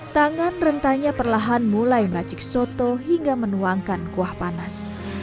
tangan rentanya perlahan mulai meracik soto hingga menuangkan kuah panas